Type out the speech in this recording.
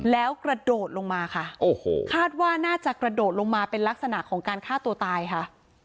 แล้วกระโดดลงมาค่ะโอ้โหคาดว่าน่าจะกระโดดลงมาเป็นลักษณะของการฆ่าตัวตายค่ะ